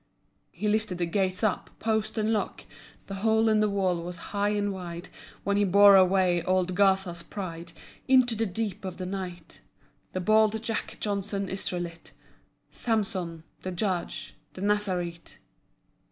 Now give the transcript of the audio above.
He lifted the gates up, post and lock. The hole in the wall was high and wide When he bore away old Gaza's pride Into the deep of the night: The bold Jack Johnson Israelite, Samson The Judge, The Nazarite.